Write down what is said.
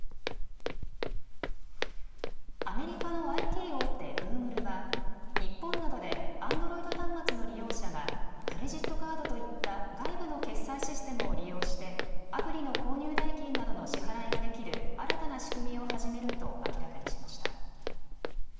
アメリカのＩＴ大手、グーグルは日本などでアンドロイド端末の利用者がクレジットカードといった外部の決済システムを利用してアプリの購入代金などの支払いができる新たな仕組みを始めると明らかにしました。